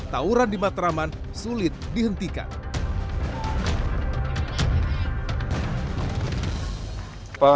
tauran di matraman sulit dihentikan